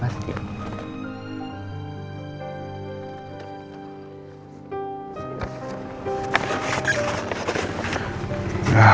terima kasih saya permissya mas